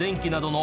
の